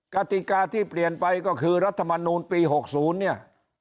กติกาที่เปลี่ยนไปก็คือรัฐมนูลปี๖๐เนี่ย